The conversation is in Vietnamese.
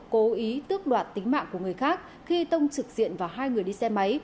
cố ý tước đoạt tính mạng của người khác khi tông trực diện vào hai người đi xe máy